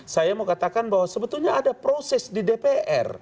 saya mau katakan bahwa sebetulnya ada proses di dpr